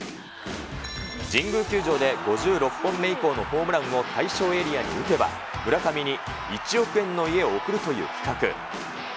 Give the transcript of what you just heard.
神宮球場で５６本目以降のホームランを対象エリアに打てば、村上に１億円の家を贈るという企画。